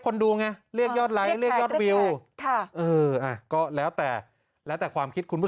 ดูไงเรียกยอดไลค์เรียกยอดวิวก็แล้วแต่แล้วแต่ความคิดคุณผู้ชม